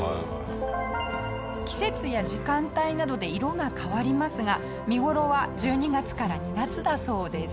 季節や時間帯などで色が変わりますが見頃は１２月から２月だそうです。